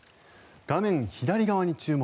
画面左側に注目。